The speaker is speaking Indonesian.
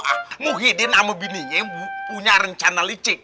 ah muhyiddin sama biniyem punya rencana licik